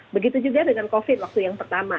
begitu juga dengan covid waktu yang pertama